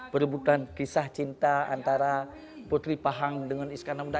perebutan kisah cinta antara putri pahang dengan iskandar muda